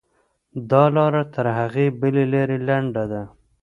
دا لاره تر هغې بلې لارې لنډه ده.